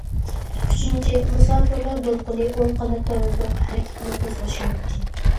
ئۈچىنچى، مۇساپىرلار دولقۇنى ئوڭ قانات تېررورلۇق ھەرىكىتىنى قوزغىشى مۇمكىن.